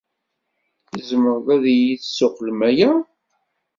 Tzemrem ad iyi-d-tessuqqlem aya?